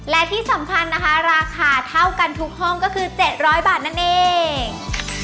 และที่สำคัญนะคะราคาเท่ากันทุกห้องก็คือ๗๐๐บาทนั่นเอง